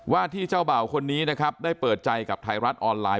ที่เจ้าบ่าวคนนี้นะครับได้เปิดใจกับไทยรัฐออนไลน